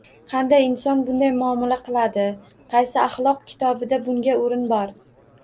Qanday inson bunday muomala qiladi, qaysi axloq kitobida bunga o'rin bor?!